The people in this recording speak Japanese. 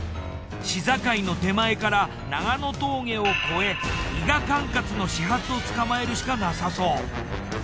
市境の手前から長野峠を越え伊賀管轄の始発をつかまえるしかなさそう。